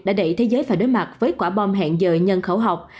đã đẩy thế giới phải đối mặt với quả bom hẹn giờ nhân khẩu học